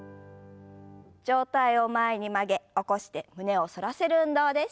上体を前に曲げ起こして胸を反らせる運動です。